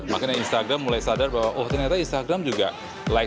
makanya instagram mulai sadar bahwa oh ternyata instagram juga like juga dan juga ya kan